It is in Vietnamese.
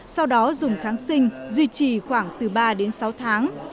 sau đó dùng kháng sinh duy trì khoảng từ ba đến sáu tháng